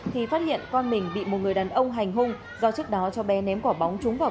thì phát hiện con mình bị một người đàn ông hành hung do trước đó cháu bé ném quả bóng trúng vào